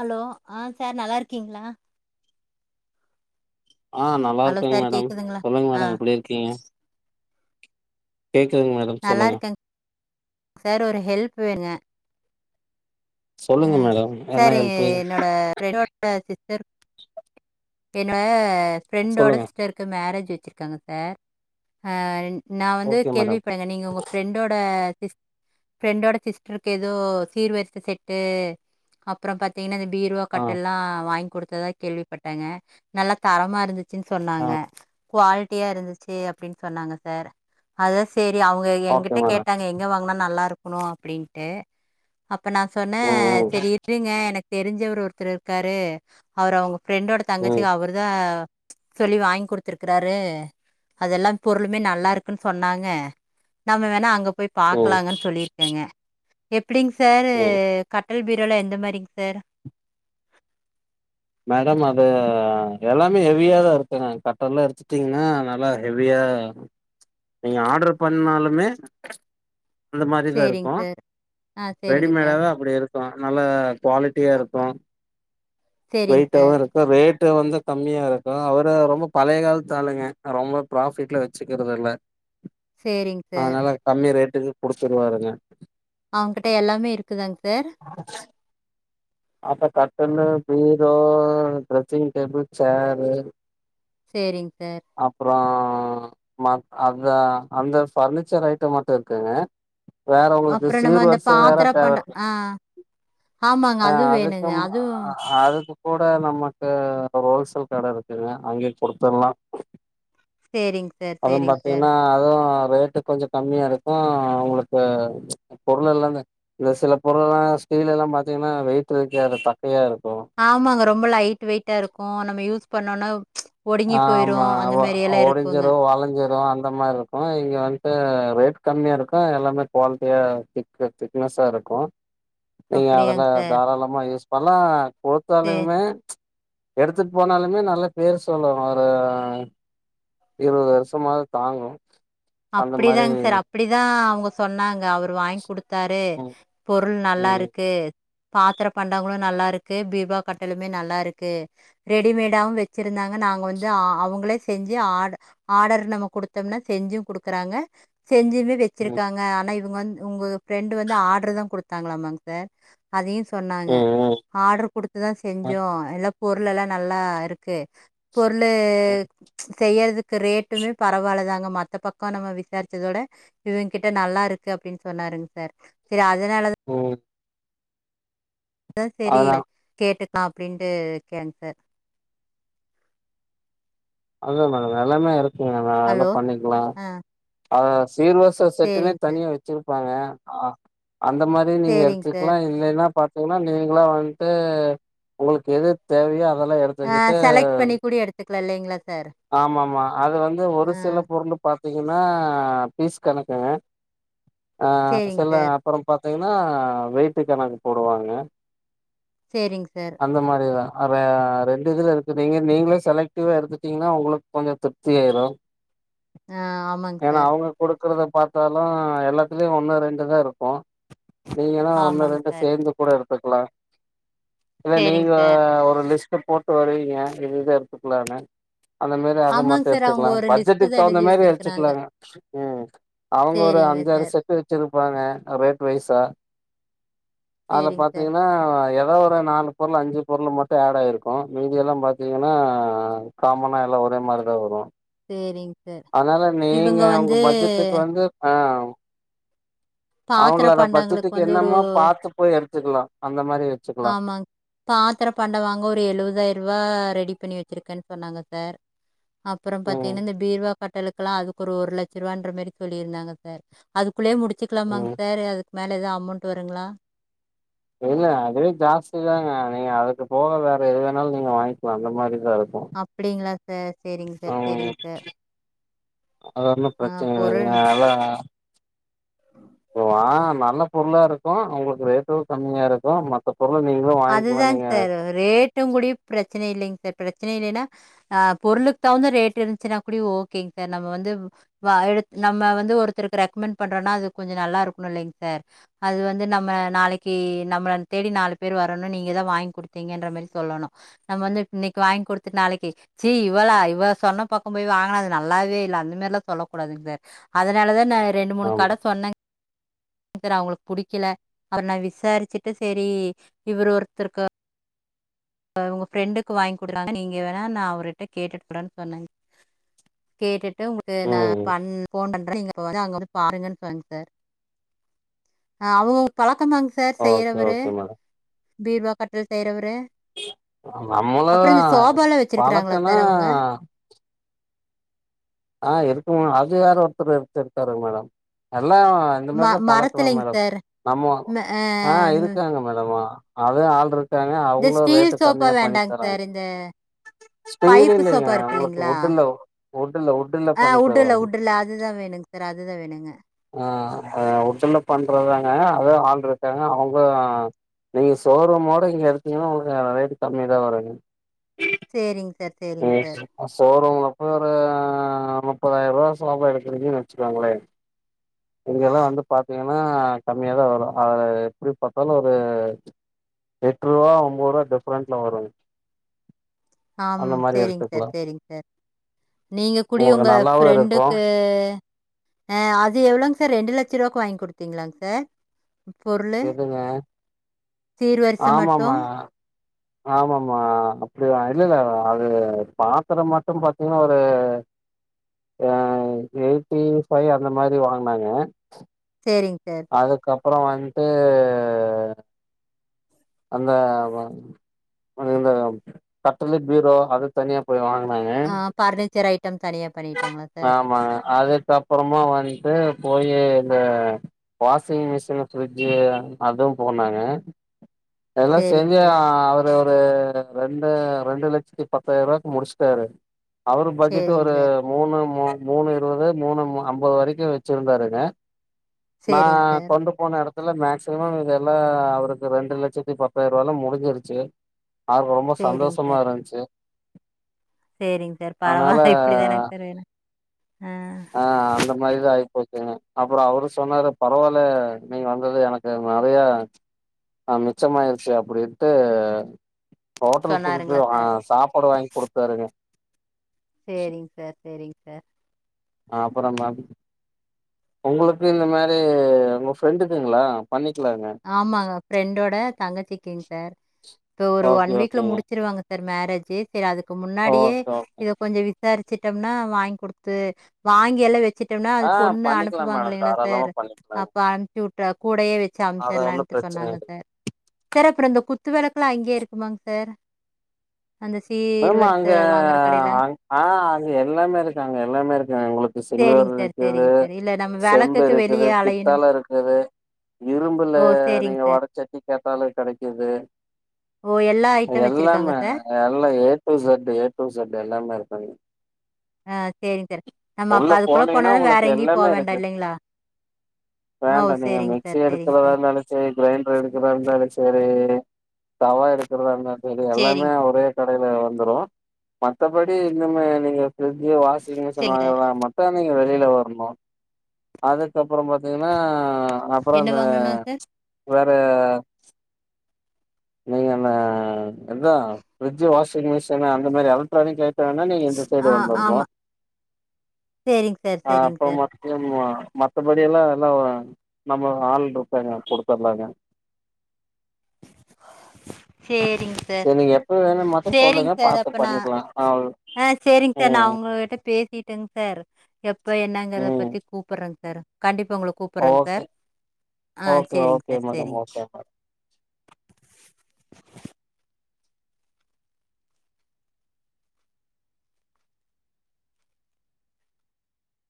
Allow ஆ sir நல்லா இருக்கீங்களா ஆ நல்லா ஹலோ இருக்கேங்க சார் மேடம் கேக்குதுங்களா சொல்லுங்க ஆ மேடம் எப்டி இருக்கீங்க கேக்குதுங்க மேடம் நல்லா சொல்லுங்க இருக்கேங் சார் ஒரு ஹெல்ப் வேங்க அ சொல்லுங்க மேடம் என்ன சார் ஹெல்ப்பு என்னோட பிரண்டோட சிஸ்டர் சார் என்ட ஃப்ரெண்டோட சொல்லுங்க சிஸ்டர்க்கு மேரேஜ் ச்சி வெச்சிருக்காங்க சார் ஆ நா வந்து ஓகே கேள்வி மேடம் பண்ணங்க நீங்க உங்க பிரண்டோட பிரெண்டோட சிஸ்டருக்கு ஏதோ சீர்வரிச செட்டு அப்புறோ பாத்தீங்கன்னா பீருவா ஆ கட்டல் எல்லா வாங்கி கொடுத்ததா கேள்விப்பட்டாங்க நல்லா தரமா இருந்து ச்சுன்னு ஆ சொன்னங்க குவாலிட்டியா இருந்துச்சு அப்டின்னு சொன்னாங்க சார் அதா சேர் ரி அவுங்க ஓகே எங்கிட்ட மேடம் கேட்டாங்க எங் நல்லா இருக்கணு அப்டின்ட்டு அப்ப நா சொன்னே ம் செரி இருங்க எனக் தெரிஞ்சவர் ஒருத்தரு இருக்காரு அவரு அவங்க ஃப்ரெண்டோட ம் ம் தங்கச்சிக்கு அவரு தா சொல்லி வாங்கி குடுத்துருக்கறாரு அதெல்லா பொருளுமே நல்லா இருக்குன்னு சொன்னாங்க நம்ம வேணா அங்க போய் ம் பாக்கலாங்கன்னு சொல்லிருக்கேங்க எப்டிங்க சார் ம் கட் டல் பீரோல எந்த மாரிங்க சார் மேடம் அது எல்லாமே ஹெவியா தா இருக்குங்க கட்டலெல்லா எடுத்துட்டீங்கன்னா நல்லா ஹெவியா ஆ நீங்க ஆர்டர் பண்ணாலுமே அந்த மாரிதா சேரிங் இருக்கு சார் ஆ சேரிங்க சார் ரெடிமேடாதா அப்டி இருக்கு நல்லா குவாலிட்டியா இருக்கு சேரிங் வெயிட்டாவு சார் இருக்க ரே ரேட்டு வந்து கம்மியா இருக்கு அவரு ரொம்ப பழைய காலத்த ஆளுங்க ரொம்ப ப்ராபிஃட்ல வச்சுக்கறதில்ல சேரிங் சார் ஆஹ் லா கம்மி ரேட்டுக்கு குடுத்துருவாருங்க அவங்கிட்ட எல்லாமே இருக்குதாங்க சார் அப்ப கட்டலு பீரோ ட்ரெஸ்ஸிங் டேபிள் சேரு செரிங்க சார் ஆ மத் அந்த பர்னிச்சர் ஐட்டம் மட்டும் இருக்குங்க வேற உங்களுக்கு அப்புறம் நம்ம சீர் அந்த வரிசை வேற பாத்திர தேவை பண்ட இரு ஆ ஆமாங்க. அது ஆஹ் வேணுங்க. அதுக்கும் அதுவும் அதுக்கு கூட நமக்கு ஒரு ஹோல்சல் கடை இருக்குங்க அங்யே குடுத்துல்லா சரிங்க சார், அதுவும் சரிங்க சார். பாத்தீங்கன்னா அதுவும் ரேட்டு கொஞ்சம் கம்மியா இருக்கும் அவங்களுக்கு பொருள் எல்லா இந்த இந்த சில பொருள்லெல்லா கீழெல்லா பாத்தீங்கன்னா வெய்ட்டு வெக்காதப்பா ஆமாங்க ரொம்ப லைட் வெயிட்டா இருக்கு நம்ம யூஸ் பண்ணோனா ஆமா இருக்குங்க. ஒடிஞ்சிரும் வளைஞ்சிரும் அந்த மாரி இருக்கும் இங்க வந்து ரேட் கம்மியா இருக்கும் எல்லாமே குவாலிட்டியா திக்ன திக்னஸ்ஸா இருக்கு நீங்க அதுல அப்படியாங்க சார். தாராளமா யூஸ் பண்ணலா சரி. குடுத்தாலயுமே எடுத்துட்டு போனாலுமே நல்ல பேரு சொல்லு ஒரு இருவது வருஷமாது தாங்கும் அப்டிதாங்க சார் அப்டிதான் அவுங்க சொன்னாங் அவரு வாங்கி குடுத்தாரு ம் பொருள் நல்லா ம் இருக்கு பாத்திர பண்டங்களு நல்லா இருக்கு பீர்வா கட்டலுமே நல்லா இருக்கு ரெடிமேடாவும் வச்சிருந்தாங்க நாங்க வந்து அவங்களே செஞ்சு ஆட ஆர்டர் நம்ம குடுத்தோம்னா செஞ்சும் குடுக் க்கறாங்க செஞ்சுமே ம் வச்சிருக்காங்க ஆனா இவ் உங்க வந்து உங்க ஃப்ரெண்டு வந்து ஆடர் தா குடுத்தாங்களாமா சார் அதயு சொன்னாங்க ம் ஆர்டரு குடுத்துதான் ம் செஞ்சோம் எல்லா பொருள்லெல்லா நல்லா இருக்கு பொருளு செய்யறதுக்கு ரேட்டுமே பரவாயில்லதாங்க மத்த பக் ப நம்ம விசாரிச்சதோட இவங்க கிட்ட நல்லா இருக்கு அப்டின்னு சொன்னாருங் சார் சரி அதனாலதா ம் அதா செரி கேட்டுக்லா அப்டின்ட்டு இருகேங்க சார் அதா மேடம் எல்லாமே இருக்குங்க நான் அதல்லா ஹலோ பண்ணிக்கலா ஆ அத சீர்வருச செட்டுன்னே சேரிங் சார் தனியா வச்சிருப்பாங்க அந்த மாதிரி நீங்க சேரிங் சார் எடுத்துக்கலா இல்லைன்னா பாத்தீங்கன்னா நீங்கள வந்துட்டு உங்களுக்கு எது தேவையோ அதெல்லா ஆஹ் எடுத்துக்கிட்டு செலக்ட் பண்ணி கூடி எடுத்துக்கலா இல்லைங்களா சார் ஆமாமா அது வந்து ஒரு ஆ சில பொருளு பாத் தீங்கன்னா பீஸ் கணக்குங்க அஹ் சேரிங் சில சார் அப்புறம் பாத் தீங்கன்னா வெயிட்டு கணக்கு போடுவாங்க செரிங் சார் ஆஹ்ர ரெண்டு இதுல இருக்கு நீங்க நீங்களே செலக்டிவா எடுத்துக் னீங்கன்னா உங்களுக் கொஞ்சோம் திருப்தி ஆயிரும் ஆஹ் ஆமாங்க சார் இக்கறத பார்த்தாலு எல்லாத்துலயு ஒண்ணு ரெண்டு தான் இருக்கு நீங்கன்னா உன்னோ ஆமாங் ரெண்டு சார் சேர்ந்து கூட எடுத்துக்கலா இல்ல சேரிங் நீங்க சார் ஒரு லிஸ்ட் போட்டு வருவீங்க இது இத எடுத்துக்கலான்னு அந்த மாரி அத மட்டு ஆமாங் சார் அவங்க ஒரு லிஸ்ட் தா எடுத்துக்கலாபட்ஜெட்டுக்கு தகுந்த எழுதி மாரி வச்சிருக்கறாங்க எடுத்துக்கலாங்க உம் அவங்க ஒரு சேரிங்க அஞ்சாறு சார் செட்டு வச்சிருப் பாங்க ரேட் வைஸா அதுல சேரிங் சார் பாத்தீங்கன்னா எறத் தா ஒரு நாலு பொருளு அஞ்சு பொருளு மட்டு ஆட் ஆயிருக்கு மீதி எல்லா பாத்தீங்கன்னா காமனா எல்லா ஒரே மாரி தா வரு சேரிங் சார் அதனால நீங்க இவங்க உங்க வந்து பட்ஜெட்டுக்கு வந்து ஆஹ்ம் பாத்திர அவுங்களோட பண்டங்களுக்கு பட்ஜெட்டுக்கு வந்து ஒரு என்னமோ பத்து போய் எடுத்துக்கலா அந்த மாரி வச்சுக்லா ஆமாங் பாத்திர பண்டோ வாங்க ஒரு எழுவதாயிரரூபா ரெடிப் பண்ணி வச்சிருக்கேன் சொன்னாங்க சார் அப்றோ ம் பாத்தீங்கன்னா இந்த பீரோ கட்டலுக்குல்லா அதுக்கு ஒரு ஒரு லட்ச ரூவான்ற மாரி சொல்லிருந்தாங்க சார் அதுக்குள்ளயே முடிச்சுக்லாமாங் ம் சார் அது மேல எது அமௌண்ட் வருங்ளா ஏங்க அதுவே ஜாஸ்தி தாங்க நீங்க அதுக்கு போக வேற எது வேணாலு நீங்க வாய்ன்க்லா அந்த மாரி அப்டிங்ளா சார் சேரிங் சார் ம் சேரிங் சார் அது ஒன்னு ஆ பிரச்சன இல்லைங்க பொருள் வாங்க நல்ல பொருளாருக்கு உங்களுக்கு ரேட்டு கம்மியாருக்கு மத்த பொருள நீங்களு அது வாங்கிக்கலா தாங் நீங்க சார் ரேட்டு கூடி பிரச் ச்சனை இல்லைங் சார் பிரச்சனை இல்லைன்னா ஆ பொருளுக் தகுந்த ரேட் இருந்துச்சுன்னா கூடி ஓகேங் சார் நம்ம வந்து வாய் எடுத் நம்ம வந்து ஒருத்தருக்கு ரெக்மெண்ட் பண்றோனா அது கொஞ்சோ நல்லாருக்ணு இல்லைங்சார் அது வந்து நம்ம நாளைக்கி நம்மள தேடி நாலு பேர் வரணு நீங்கதா வாய்ன் குடுத்தீங்கன்ற மாரி சொல்லணு நம்ம வந்து இன்னக்கு வாய்ன் குடுத்துட் நாளைக்கி சீ இவ வளா இவ சொன்ன பக்கோ போய் வாங்குனா அது நல்லாவே இல்ல அந்த மாரிலா சொல்ல கூடாதுங் சார் அதனால தா நா ரெண்டு மூணு கட ஆமா சொன்னேங் [unintelligible] அவுங்களுக்கு புடிக்கல அத நா விசார்ச்சுட்டு சேரி இவுரு ஒருத்தருக்கு இவுங்க ஃப்ரெண்டுக்கு வாய்ன் குட்றாங்க நீங்க வேணா நா அவுருட்ட கேட்டுட்டு சொல்றேன் சொன்னங் கேட்டுட்டு உங்களுக்கு நா ம் பண் ஃபோன் பண்றேங்க ப்ப வந்து அங்க வந்து பாருங்கன் சொன்னாங்க சார் அவுங்கவுங்க பழக் த்தமாங் சார் ஓகே செய்றவரு ஓகே மேடம் பீரோ கட்டில் செய்றவரு நம்மள தா வச்சிருக்கறாங்களா பழக்கனா சார் அவங்க ஆ இருக்குமா அது யாரோ ஒருத்தர் ஒருத்தர் இருக்காரு மேடம் அ எல்லா இந்த ம மாதிரி தா பழக்குவாங்க மரத்துலைங்க மேடம் சார் நம்ம ஆ இருக்காங்க மேடமா அதே ஆள் இருக்காங்க இந்த அவுங்களு ரேட்டு ஸ்டீல் சோஃபா கம்மியா பண்ணி வேண்டாங்க தராங் சார் இந்த ஸ்பேர் பைப்பு இல்லைங்க சோஃபா இருக்கு ஒங்களுக்கு இல்லைங்களா உட்டுல உட்டுல உட்டுல ஆ பண்ணி உட்டுல தருவாங்க உட்டுல அதுதா வேணுங் சார் அதுதா வேணுங்க ஆ உட்டுல பண்றதாங்க அது ஆள் இருக்காங்க அவுங்க நீங்க ஷோரூமோட இங்க எடுத்தீங்கன்னா உங்களுக்கான ரேட்டு கம்மியா தா வருங்க சேரிங் நீங்க ஷோரூம்ல ப்ப ஒரு ஆ முப்பதாயிரூபா ஷோபா எடுக்றீங்கன் வச்சுக்கோங்ளே இங்கெல்லா வந்து பாத்தீங்கன்னா கம்மியாதா வரு அத எப்டி பாத்தாலு ஒரு எட்ரூவா ஒம்போரூவா டிஃப்ரென்ட்ல வருங்க ஆம் அந்த மாரி சேரிங் சார் எடுத்துக்கலா சேரிங் சார் நீங்க கூடி உங்களுக்கு உங்க நல்லாவு இருக்கு ஃப்ரெண்டுக்கு ஆ அது எவ்ளோங் சார் ரெண்டு லட்ச ரூவாக்கு வாய்ன் குடுத்தீங்ளாங் சார் பொர்ளு எதுங்க சீர் வரிச மட்டு ஆமமா அப்டி வா இல்லெல்ல அது பாத்தரோ மட்டு பாத்தீங்கன்னா ஒரு ஆ எய்ட்டின் ஃபைவ் அந்த மாரி வாங்னேங்க சேரிங் சார் அப்றோ வன்ட்டு அந்த வ [unintelligible] கட்டுலு பீரோ அது தனியா போய் வாங் னாங்க ஆ பர்னிச்சர் ஐட்டம் தனியா பண்ணிட்டாங்களா சார்? ஆமாங்க அதுக்கப் புறமா வன்ட்டு போயி இந்த வாஷிங் மிஷினு ஃப்ரிட்ஜு அதுவு போனாங்க எல்லா சரிங்க செஞ்சே சார். அவுரு ஒரு ரெண்டு ரெண்டு லட்சத்தி பத்தாயிரூவாக்கு முடிச்ட்டாரு அவுரு பட்ஜெட்டு சரிங்க ஒரு சார். மூணு மூ மூணு இருவது மூணு அம்பது வரைக்கு வச்சிருந்தாருங்க நா சரிங்க சார். கொண்டு போன எடத் துல மேக்சிமம் இதெல்லா அவருக்கு ரெண்டு லட்சத்தி பத்தாயிரூவாலா முடிஞ்சிருச்சு அவர் ரொம்ப சந்தோஷமா இருன்ச்சு சேரிங்க சார் பரவால்ல இப்படி தானங்க சார் வேணு ஆ அந்த மாதிரிதா ஆயிப்போச்சிங்க அப்புறோ அவரு சொன்னாரு பரவால்ல நீங்க வந்தது எனக்கு நெறயா ஆ மிச்சமாயிருச்சு அப்படின்ட்டு ஹோட்டலுக் கூட்டிட்டு சொன்னாருங்களா போய் ஆ சார்? சாப்பாடு வாங்கி குடுத்தாருங்க சேரிங்க சர் சேரிங்க சர் ஆ அப்புற மேம் உங்களுக் கு இந்த மாரி உங்க ஃப்ரெண்டுக்குங்களா பண்ணி ஆமாங்க ஃப்ரெண்டோட தங்கச்சிக்கிங் சார் இப்ப ஒரு ஓகே ஒன் வீக்ல ஓகேங்க முடிச்சிருவாங்க சர் மேரேஜு செரி அதுக்கு முன்னாடியே ஓகே ஓகே இத கொஞ்ச விசாரிச் வச்சிட்டோம்னா வாங்கி குடுத்து வாங்கி எல்லா வச் வச்சிட்டோம்னா அது ஆ பொண்ண பண்ணிக்கலா அனுப்புவாங்க மேடம் இல்லைங்களா தாராளமா சார் பண்ணிக்கலாங்க அப்ப அனுப்பி விட்டா கூடயே வச்சு அம்ச் அது ஒன்னு ச்சிறலான்ட்டு பிரச்சன சொன்னாங்க சார் சார் அப்றோ இந்த குத் குத்து விளக்குல்லா அங்கயே இருக்குமாங்க சார் அந்த சீர் மேம் வரிச அங்க வாங்குற கடையில? அங் ஆ அங்க எல்லாமே இருக்கு அங்க எல்லாமே இருக்கு உங்களுக்கு செ சில்வர் சரிங்க சார், இருக்குது சரிங்க சார். இல்ல நம்ம செம்பு விளக்குக்கு இருக்குது வெளியே அலையணும். பித்தாள இருக்குது இரும்பு செம்புல ஓ! சரிங்க நீங்க சார். வடச்சட்டி கேட்டாலு கெடைக்குது ஓ! எல்லா ஐட்டம் வச்சிருக்காங்க எல்லாமே சார். எல்லா A to set A to set எல்லாமே இருக்கு அங்க ஆ சேரிங்க சார் நம்ம அப்ப உள்ள அதுக்குள்ள போனீங்கன்னா போனாலே வேற உங்களுக்கு எங்கேயு போ எல்லாமே வேண்டா இருக்கு இல்லைங்களா ஓ! வேண்டா நீங்க சரிங்க மிக்சி சார், சரிங்க எடுக்கிறதா சார். இருந்தாலு செரி கிரைண்டர் எடுக்கிறதா இருந்தாலு செ ஒரு தவா எடுக்குறதா இருந்தாலு செரி எல்லாமே சேரிங் ஒரே கடையில வந்துரு மத்தபடி இனிமே நீங்க ஃப்ரிஜி வாஷிங் மிஷின் சேரிங்க சார் வாங்கனா மட்டு நீ வெளியில வரணு அதுக்கப்புறோ பாத்தீங்கன்னா ஆ அப்புறோ என்ன அந்த வாங்கணுனா சார் வேற நீங்க என்ன அதா ஃப்ரிட்ஜு வாஷிங் மிஷின் அந்த மாரி எலக்ட்ரானிக் ஐ ட்டோனா நீங்க இந்த சைடு ஆ வந்துருனோ ஆமா சேரிங் சார் ஆ சேரிங் அப்போ சார் மொத்தமா மத்தபடி எல்லா எல்லா நம்ம ஆள் இருக்காங்க குடுத்துருலாங்க சேரிங்க சார் சரி நீங்க எப்ப வேணு மட்டு சேரிங்க சொல்லுங்க சார் பாத்து அப்ப நா பண்ணிக்கலா ஆ ஆ சேரிங்க சார் நா ம் அவுங்ககிட்ட பேசிட்டேங்கு சார் எப்ப என்னங்குறத ம் பத்தி கூப்பிடுறேங்க சார் கண்டிப் பா உங்கள கூப்பிறேங்க ஓகே சார் ஆஹ் ஓகே சேரிங்க ஓகே சார் மேடம் சேரிங் ஓகே